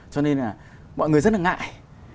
cho nên là mọi người rất là ngại